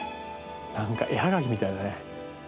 なんか絵はがきみたいだね。